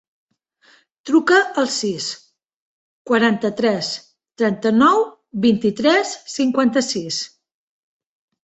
Truca al sis, quaranta-tres, trenta-nou, vint-i-tres, cinquanta-sis.